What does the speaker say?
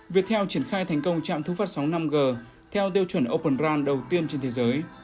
việc theo triển khai thành công trạm thú phát sóng năm g theo tiêu chuẩn open ran đầu tiên trên thế giới